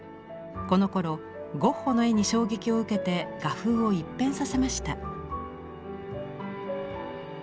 このころゴッホの絵に衝撃を受けて画風を一変させました。